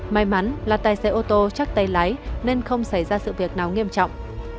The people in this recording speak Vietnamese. may mắn là tài xế ô tô chắc tay lái nên không xảy ra sự việc nào nghiêm trọng